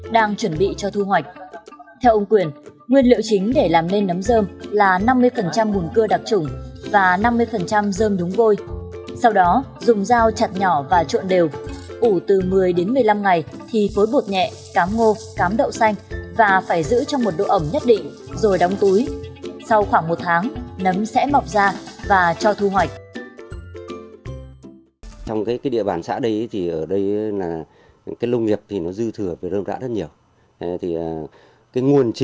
sau khoảng một tháng nấm sẽ mọc ra và cho thu hoạch